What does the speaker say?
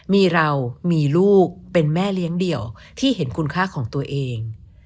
มีเรามีลูกเป็นแม่เลี้ยงเดี่ยวที่เห็นคุณค่าของตัวเอง